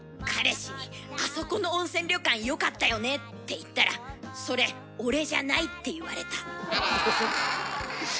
彼氏に「あそこの温泉旅館よかったよね」って言ったら「それ俺じゃない」って言われた。